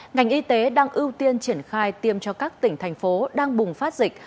ngành y tế đang ưu tiên triển khai tiêm cho các tỉnh thành phố đang bùng phát dịch